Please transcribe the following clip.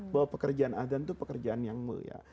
bahwa pekerjaan adhan itu pekerjaan yang mulia